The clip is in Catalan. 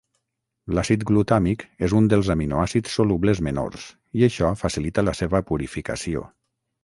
L'àcid glutàmic és un dels aminoàcids solubles menors i això facilita la seva purificació.